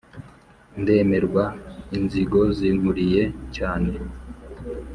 ndemerwa inzigo zinkuriye cyane